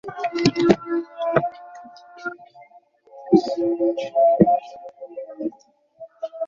শুধু একটাই আকুল আবেদন তাঁর, ভুলেও কিন্তু একা একা অ্যালোন দেখবেন না।